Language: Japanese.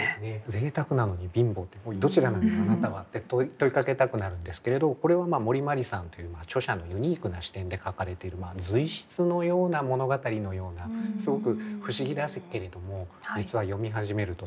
贅沢なのに貧乏どちらなのあなたはって問いかけたくなるんですけれどこれは森茉莉さんという著者のユニークな視点で書かれている随筆のような物語のようなすごく不思議ですけれども実は読み始めると止まらない